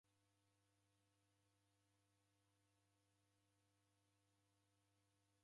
Naanika viro vapo iruw'enyi eri viome nicha.